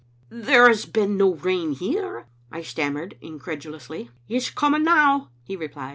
There has been no rain here," I stammered, incred ulously. "It's coming now," he replied.